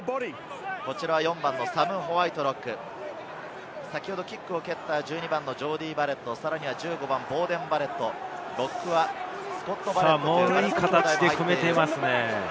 こちらは４番のサム・ホワイトロック、先ほどキックを蹴った１２番のジョーディー・バレット、さらには１５番のボーデン・バレット、ロックはスコット・バレット。